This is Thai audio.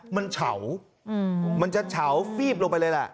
มันเฉามันจะเฉาฟีบลงไปเลยแหละ